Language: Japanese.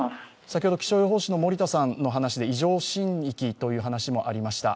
先ほど気象予報士の森田さんの話で、異常震域という話もありました。